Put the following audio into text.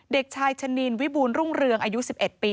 เด็กชายชะนินวิบูรณรุ่งเรืองอายุ๑๑ปี